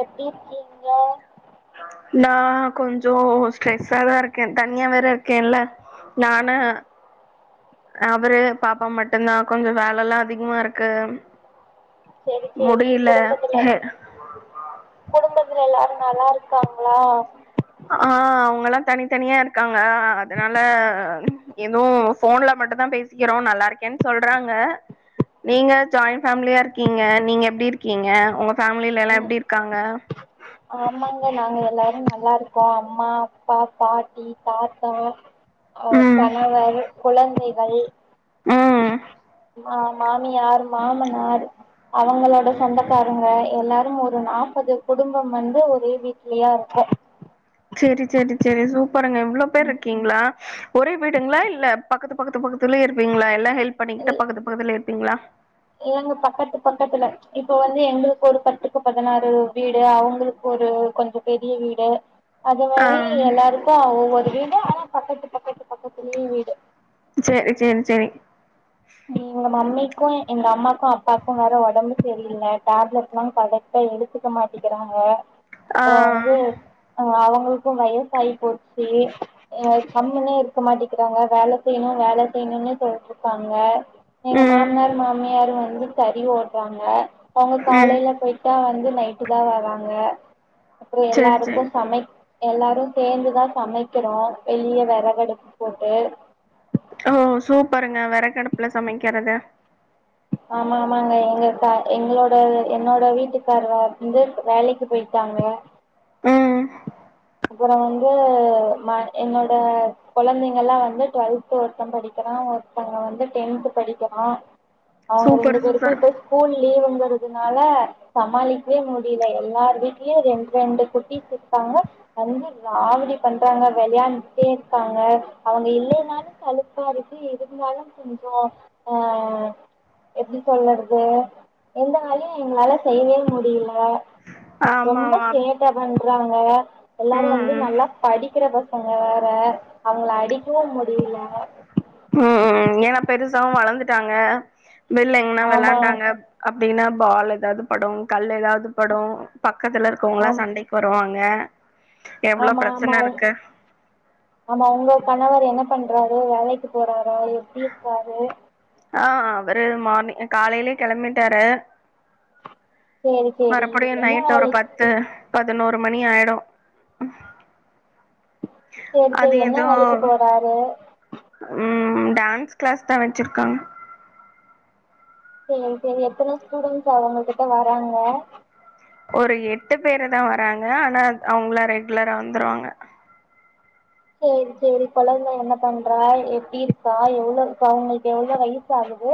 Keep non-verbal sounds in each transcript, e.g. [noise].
எப்டி இருக்கீங்க நான் கொஞ்சோ ஸ்ட்ரெஸ்ஸாதா இருக்கேனன தனியா வேற இருக்கேல்ல நானு அவுரு பாப்பா மட்டுதா கொஞ்சோ வேலல்லா அதிகமாருக்கு செரி செரி குடும்பத்துல குடும்பத்துல எல்லாரும் நல்லா இருக்காங்களா ஆஹ் அவுங்கல்லா தனித்தனியா இருக்காங்க அதனால எதுவு போன்ல மட்டுதா பேசிக்கிறோ நல்லா இருக்கேன்னு சொல்றாங்க நீங்க ஜாயின் ஃபேமிலியா இருக்கீங்க நீங்க எப்டி இருக்கீங்க உங்க ஃபேமிலிலல்லா ம் எப்டி இருக்காங்க ஆமாங்க நாங்க எல்லாரு நல்லா இருக்கோ அம்மா அப்பா பாட்டி தாத்தா அஹ் ம் கணவர் குழந்தைகள் ம் ஆஹ் மாமியார் மாமனார் அவுங்களோட சொந்தக்காரங்க எல்லாரும் ஒரு நாற்பது குடும்பம் வந்து ஒரே வீட்லயா இருக்கோம் செரி செரி செரி சூப் பர்ங்க எவ்ளோ பேர் இருக்கீங்களா ஒரே வீடுங்களா இல்ல பக்கத்து பக்கத்து பக்கத்துல இருப்பீங்கள எல்லா ஹெல்ப் பண்ணிக்கிட்டு பக் பக்கத்துலே இருப் ப்பீங்களா இல்லங்க பக்கத்து பக்கத்துல இப்ப வந்து எங்களுக்கு ஒரு பத்துக்கு பதினாறு வீ வீடு அவுங்களுக்கு ஒரு கொஞ்சோ பெரிய வீடு அது ஆ மாரி எல்லாருக்கு ஒவ்வொரு வீட் [inaudible] அனா பக்கத்து பக்கத்து பக்கத்துலேய வீடு செரி நீ எங்க மம்மிக்கு எங்க அம்மாக்கு அப்பாக்கு வேற ஒடம்பு செரியில்ல டேப்லெட்லாம் கரெக்ட்டா எடுத்துக்க மாட்டிக்கிறாங்க ஆ அப்புறோ வந்து அவுங்க அவுங்களுக்கு வயசாயி போச்சு [unintelligible] கம்னே இருக்க மாட்டிங் இருக்கிறாங்க வேலை செய்யணு வேலை செய்யணுன்னே சொல்ட்ருக்கா ங்க எங்க ம் மாமனார் மாமியாரும் வந்து கறி போட்றாங்க அவுங்க ம் காலையில போயிட்டா வந்து நைட் ட்டு தா வராங்க அப்புறோ சேரி சேரி எல்லாருக்கும் சமை எல்லாரு சேந்துதா சமைக்கிறோ வெளிய வெறகடுப்பு போட்டு ஓ சூப்பருங்க வெறகடுப்புல சமைக்கிறது ஆமா ஆமாங்க எங்க இப்ப எங்களோட என்னோட வீட்டுக்காரு வந்து வேலைக்கு போயிட்டாங்க ம் அப்புறோ வந்து ம என்னோட கொழந்தைங்கள்லா வந்து டுவல்த்து ஒருத்தன் படிக்கிறான் ஒருத்தங்க வந்து டென்த்து படிக்கிறான் அவங்க ரெண்டு சூப்பர் பேருக்கும் சூப்பர் இப்ப ஸ்கூல் லீவுங்க கிறனால சமாளிக்கவே முடில எல்லார் வீட்லியும் ரெண்டு ரெண்டு குட்டீஸ் இருக்காங்க வந்து ராவடி பண்றாங்க வெளையாண்டுட்டே இருக்காங்க அவங்க இல்லேனாலும் சலிப் ப்பா இருக்கு இருந்தாலு கொஞ்சோ ஆ எப்டி சொல்லறது எந்த வேலையு எங்களால செய்வே முடியில ஆமா ரொம்ப ஆமா சேட்ட பண் இருக்காங்க எல்லாரு ம் வந்து ம் நல்லா படிக்கிற ப வேற அவங்கள அடிக்கவு முடியில ம் ஏன்னா பெருசாவு வளந்துட்டாங்க வெள்ல எங்கனா ஆமா வெளாண்டாங்க அப் அப்டின்னா பால் ஏதாவது படும் கல் ஏதாவது வந்து படும் பக்கத்துல இருக்கவங்களாம் ஆம் சண்டைக்கு வருவாங் ங்க ஆமா ஆமா ஆமா உங்க கணவர் என்ன பண்றாரு வேலைக்கி போறாரா எப்டி இருக்காரு ஆ அவரு மார்னிங் காலையிலே கெளம்பிட்டாரு சேரி சேரி மறுபடியும் என்ன நைட்டு் ஒரு வேலைக் பத்து பதினோரு மணி ஆயிடும் சேரி சேரி என்ன வேலைக்கு போறாரு ம் டான்ஸ் கிளாஸ் தா வச்சிருக்காங்க சேரி சேரி எத்தன ஸ்டூடென்ஸ் அவங்கக்கிட்ட வராங்க ஒரு எட்டு பேரு தா வராங்க ஆனா அவங்களா ரெகுலரா வந்துருவாங்க சேரி சேரி கொழந்த என்ன பண்றா எப்டி இருக்கா எவ்ளோ இப்ப அவங்களுக்கு எவ்ளோ வயசு ஆகுது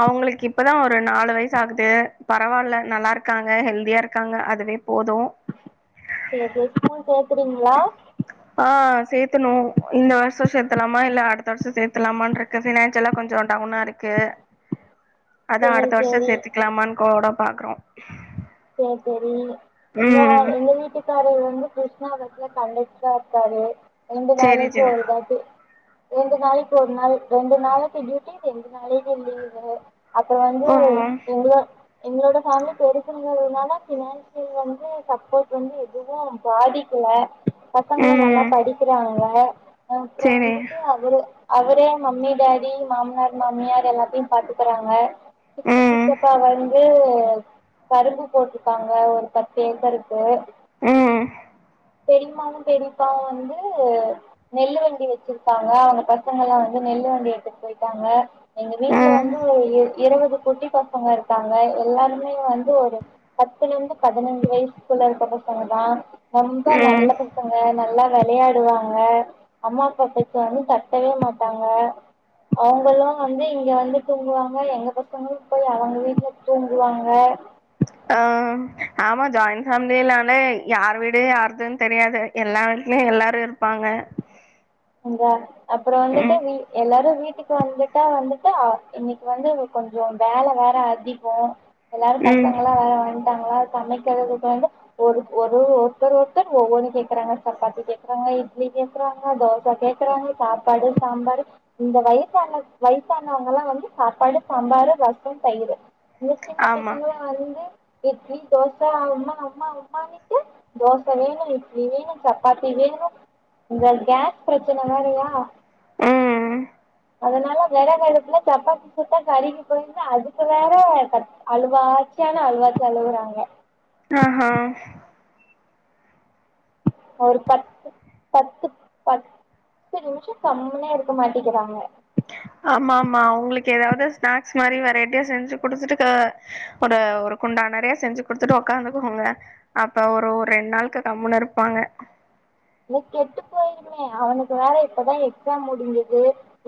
அவங்களுக்கு இப்பதா ஒரு நாலு வயசு ஆகுது பரவால்ல நல்லாருக்காங்க ஹெல்தியா இருக்காங்க அதுவே போதும் சேரி சேரி ஸ்கூல் சேக்குறீங்களா ஆ சேத்தணு இந்த வருஷோ சேத்தலாமா இல்ல அடுத்த வருஷோ சேத்தலாமான்னு இருக்கு ஃபினான்சியலா கொஞ்சோ டவுனா இருக்கு அதான் சேரி அடுத்த வருஷம் சேரி சேர்த்திக்கலாமான் [unintelligible] பாக்குறோம் சரி சரி எங்க எங்க வீட்டுக்கார வந்து கிருஷ்ணா [unintelligible] கண்டக்டரா இருக்காரு ரெண்டு சேரி நாளைக்கு சேரி ஒரு தாட்டி ரெண்டு நாளைக்கு ஒரு நாள் ரெண்டு நாளைக்கு டியூட்டி ரெண்டு நாளைக்கு லீவு் அப்புறம் வந்து ஓ எங்களும் எங்களோட பேமிலி பெருசு ங்கிறதுனால பினான்சியல் வந்து சப்போர்ட் வந்து எதுவும் பாதிக்ல பசங்களும் நல்லா ம் படிக்கிறாங்க அப்புறம் சேரி வந்துட்டு அவரு அவரே மம்மி டாடி மாமனார் மாமியார் எல்லாத்தையும் பாத்துக்கறாங்க சி த்தி ம் சித்தப்பா வந்து [unintelligible] கரும்பு போட்ருக்காங்க ஒரு பத்து ஏக்கருக்கு உஹம் பெரிமாவும் பெரிப்பாவும் வந்து நெல்லு வண்டி வச்சிருக்காங்க அவங்க பசங்கள் எல்லாம் வந்து நெல்லு வண்டி எடுத்துட்டு போயிட்டாங்க எங்க வீட்டுல ம் வந்து ஒரு இருபது குட்டி பசங்க இருக்காங்க எல்லாருமே வந்து ஒரு பத்துல இருந்து பதினைஞ்சு வயசுக்குள்ள இருக்க பசங்க தான் ரொம்ப நல்ல ம் பசங்க நல்லா வெளையாடுவாங்க அம்மா அப்பா பேச்ச வந்து தட்டவே மாட்டாங்க அவங்களும் வந்து இங்க வந்து தூங்குவாங்க எங்க பசங்களும் போய் அவங்க வீட்டுல தூங்குவாங்க ஆஹ் ஆமா ஜாயின்் ஃபேமிலினாலே யார் வீடு யார்துன்னு தெரியாது எல்லா வீட்லயும் எல்லாரும் இருப்பாங்க அங்க அப்புறம் ம் வந்துட்டு எல்லாரும் வீட்டு இக்கு வந்துட்டா வந்துட்டா இன்னைக்கு வந்து இ கொஞ்ச வேலை வேற அதிக எல்லாரும் ம் பசங்களலாம் வேற வந்ட்டாங்களா சமைக்கறதுக்கு வந்து ஒரு ஒரு ஒருத்தர் ஒருத்தர் ஒவ்வொனு கே்கறாங்க சப்பாத்தி கேக்றாங்க இட்லி கேக் கேக்குறாங்க தோசை கேக்குறவங்க சாப்பாடு சாம்பார் இந்த வயசான வயசானவங்கல்லாம் வந்து சாப்பாடு சாம்பார் ரசம் தயிர் இந்த சின்ன ஆமா பசங்களா வந்து இட்லி தோசை அம்மா அம்மா அம்மானுட்டு தோசை வேணும் இட்லி வேணும் சப்பாத்தி வேணும் இந்த கேஸ் பிரச்சனை வேறயா உஹம் அதனால வெறகடுப்புல சப்பாத்தி சுட்டா கருகி போய்ருது அதுக்கு வேற கத் அழுவாச்சியான அழுவாச்சி அழுவுறாங்க ஆஹ் ஹ ஒரு பத்து பத்து பத்து நிமிஷம் கம்மியா இருக்க மாட்டிக்கிறாங்க ஆமா ஆமா உங்களுக்கு ஏதாவது ஸ்நாக்ஸ் மாதிரி வெரைட்டியா செஞ்சு குடுத்துட்டு ஒரு ஒரு குண்டா நிறையா செஞ்சு குடுத்துட்டு உக்காந்துக்கோங்க அப்ப ஒரு ரெண்டு நாளுக்கு கம்முன்னு இருப்பாங்க இல்ல கெட்டு போயிருமே அவனுக்கு வேற இப்பதான் எக்ஸாம் முடிஞ்சுது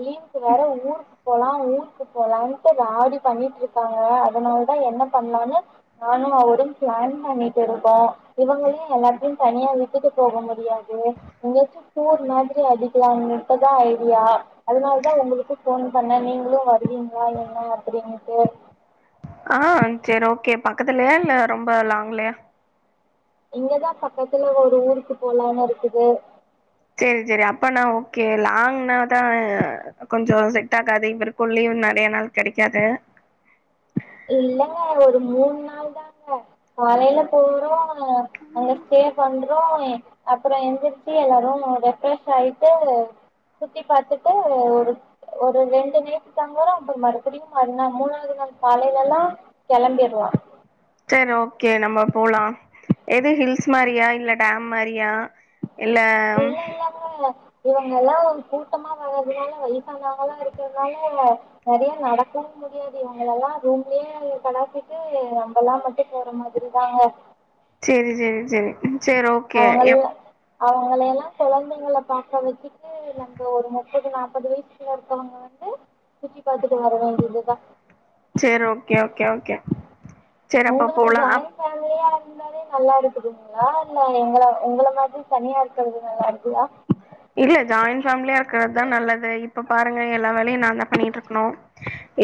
லீவுக்கு வேற ஊருக்கு போலா ஊருக்கு போலான்ட்டு ராவடி பண்ணிட்ருக்காங்க அதனால தா என்ன பண்ணலான்னு நானு அவரு பிளான் பண்ணிட்டிருக்கோ இவங்களயு எல்லாத்தயு தனியா விட்டுட்டு போக முடியா து எங்காச்சு டூர் மாதிரி அடிக்கலானு இப்ப தா ஐடியா அதனால தா உங்களுக்கு ஃபோன் பண்ணே நீங்களு வருவீங்களா என்ன அப்படினுட்டு ஆஹ் செரி ஓகே பக்கத்துலயா இல்ல ரொம்ப லாங்லயா இங்கதா பக்கத்துல ஒரு ஊருக்கு போலான்னுருக்குது சேரி சேரி அப்பன்னா ஓகே லாங்னாதா கொஞ்சோ செட் ஆகாது இவருக்கு லீவ் நறைய நாள் கெடைக்காது இல்லைங்க ஒரு மூன் நாள் தாங்க காலைல போறோ அங்க ஸ்டே பண்றோ அப்பறோ எந்திரிச்சு எல்லாரு ரெஃப்ரஷ் ஆயிட்டு சுத்தி பாத்துட்டு ஒரு ஒரு ரெண்டு நைட்டு தங்கறோ அப்பறோ மறுபடியு மறுநாள் மூணாவது நாள் காலைலெல்லா கெளம்பிடுவோ சரி ஓகே நம்ம போலா எது ஹில்ஸ் மாரியா இல்ல டேம் மாரியா இல்ல இவங்க எல்லா கூட்டமா வரதுனால வயசானாவங்கல்லா இருக்கறத்னால நெறைய நடக்கவு முடியாது இவங்களெல்லா ரூம்லயே கடாசிட்டு நம்மெல்லா மட்டு போற மாதிரிதாங்க செரி செரி செரி சேர் ஓகே எப் அவங்கள எல்லா கொழந்தைங்கள பாக்க வெச்சுட்டு நம்ம ஒரு முப்பது நாப்பது வயசுக்குள்ள இருக்கவங்க வந்து சுத்தி பாத்துட்டு வர வேண்டியதுதா சேரி ஓகே ஓ கே ஓகே சேரி அப்ப உங்களுக்கு போலா அப் ஜாயிண்ட் ஃபேமிலியா இருந்தாலே நல்லா இருக்குதுங்களா இல்ல எங்கள உங்கள மாதிரி தனியா இருக்கறது நல்லா இருக்குதா இல்ல ஜாயிண்ட் ஃபேமிலியா இருக்கர்றதா நல்லது இப்ப பாருங்க எல்லா வேலயு நா தா பண்ணிட்ருக்கணு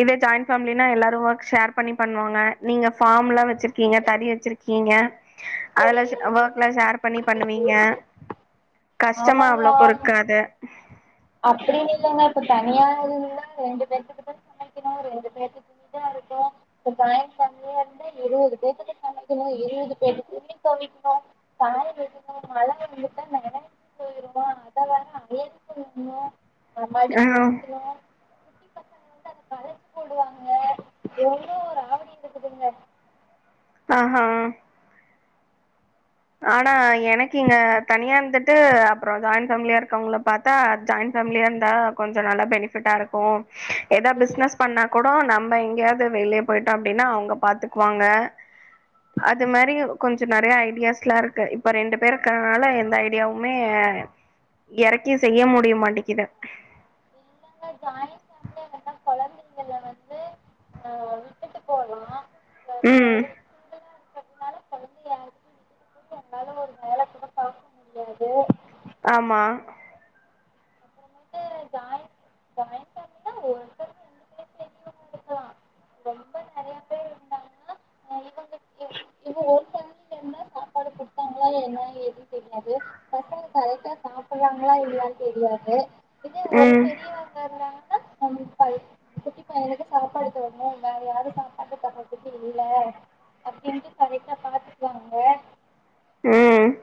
இதே ஜாயிண்ட் ஃபேம்லின்னா எல்லாரு ஒர்க் ஷேர் பண்ணி பண்ணுவாங்க நீங்க ஃபார்ம்ல்லா வெச்சிருக்கீங்க தறி வெச்சிருக்கீங்க அதெல்லா ஷு அ, ஒர்க் எல்லா ஷேர் பண்ணி பண்ணுவீங்க கஷ்டமா அவ்ளோ ஒரு கத அப்டின்னில்லைங்க இப்ப தனியா இருந்தா ரெண்டு பேத்துக்கு தா சமைக்கணு ரெண்டு பேத்து துணி தா இருக்கு இப்ப ஜாயின் ஃபேமிலியா இருந்தா இருபது பேத்துக்கு சமைக்கணு இருபது பேத்து துணி தொவைக்கணு காய வெக்கணு மழ வந்துட்டா நனஞ்சு போய்ரு அத வேற அயன் சொல்லுங்கோ அத மடிச்சு ஆ வெக்கணு [unintelligible] பசங்க வந்து அத கலச்சு போடுவாங்க எவ்ளோ ஒரு ராவடி இருக்குதுங்க ஆஹ் ஆஹ் ஆனா எனக்கு இங்க தனியா இருந்துட்டு அப்பறோ ஜாயின் ஃபேமிலியா இருக்கவங்கள பாத்தா ஜாயிண் ஃபேமிலியா இருந்தா கொஞ்ச நல்லா பெனிஃபிட்டா இருக்கு ஏதா பிஸ்னஸ் பண்ணா கூ ட நம்ம எங்கயாவ்து வெளிய போயிட்டோ அப்டின்னா அவங்க பாத்துக்குவாங்க அது மாரி கொஞ்ச நெறையா ஐடியாஸ் லா இருக்கு இப்ப ரெண்டு பேர் இருக்கறனால எந்த ஐடியாவுமே எறக்கி செய்ய முடிய மாட்டிக்குது [unintelligible] ஜாய்ன் கொழந்தைங்கள வந்து கலா உம் ஆமா இருக்கறாங்களா இல்லயான் தெரியாது இதே ஒரு ம் பெரியவங்க இருந்தாங் ம்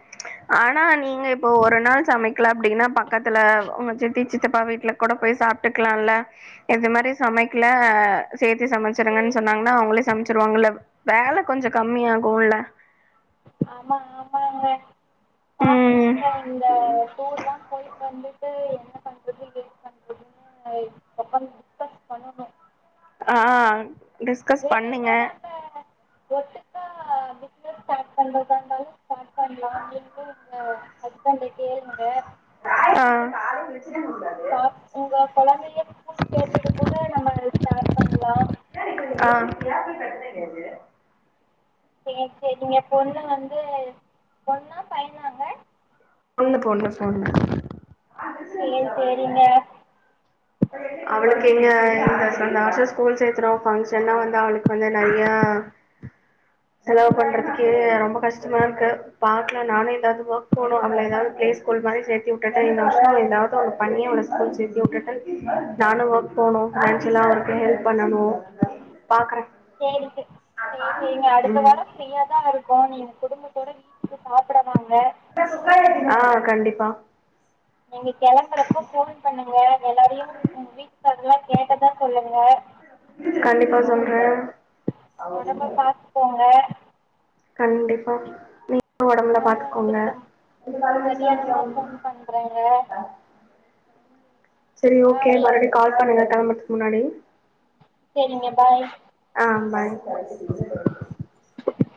ஆனா நீங்க இப்போ ஒரு நாள் சமைக்குல அப்டின்னா பக்கத்துல உங்க சித்தி சித்தப்பா வீட்ல கூட போய் சாப்ட்டுக்குலால்ல இது மாரி சமைக்குல சேத்தே சமச்சிருங்கன் சொன்னாங்கன்னா அவங்களே சமச்சிருவாங்கல்ல வேல கொஞ்சம் கம்மியாகுல்ல ம் ஆ ஆ டிஸ்கஸ் பண்ணுங்க ஆ ஆ என் பொண்ணு வந்து பொண்ணு பொண்ணு ஃபோன் இங்க வர்ல அவளுக்கு இங்க இந்த ச இந்த வருஷம் ஸ்கூல் சேத்தருவோம் ஃபங்க்ஷன்ல்லா வந்தா அவளுக்கு வந்து நறையா செலவு பண்றதுக்கே ரொம்ப கஷ்டமா இருக்கு பாக்குலா நானு எதாவது வொக் போணு அவள எதாவது ப்பிளே ஸ்கூல் மாரி சேத்தி உட்டுட்டு இந்த வருஷம் ஏதாவது ஒன்னு பண்ணி அவள ஸ்கூல் சேத்தி உட்டுட்டு நானும் வர்க் போனும் ஃபினான்சியலா அவருக்கும் ஹெல்ப் பண்ணனும் பாக்குறே சேரிங் சி சேரி சேரிங்க அடுத்த ம் வாரம் ஃப்ரீயாதா இருப் கோ நீங்க குடும்பத்தோட வீட்டுக்கு சாப்புடவாங்க ஆ கண்டிப்பா நீங்க கெளம்புறப்போ ஃபோன் பண்ணுங்க எல்லாறையும் ம் வீட்லல்லா கேட்டதா சொல்லுங்க கண்டிப்பா சொல்றே ஒடம்ப பாத்துக்கோங்க கண்டிப்பா நீங் [unintelligible] ஒடம்புலா பாத்துக்கோங்க மதியானமா ஃபோன் பண்றங்க சேரி ஓகே மறுப்டி கால் பண்ணுங்க கெளம்புற்த்துக்கு முன்னாடி சேரிங்க பாய் ஆ [unintelligible]